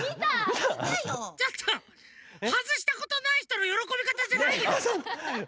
ちょっとはずしたことないひとのよろこびかたじゃないよ。